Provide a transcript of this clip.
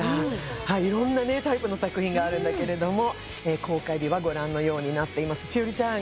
はい色んなねタイプの作品があるんだけれども公開日はご覧のようになっています栞里ちゃん